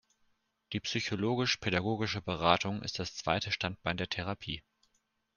Die psychologisch-pädagogische Beratung ist das zweite Standbein der Therapie.